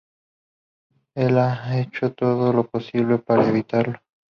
Él ha hecho todo lo posible para evitarlo.